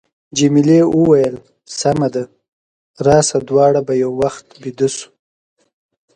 جميلې وويل:، سمه ده، راشه دواړه به یو وخت بېده شو.